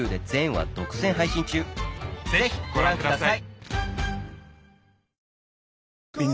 ぜひご覧ください！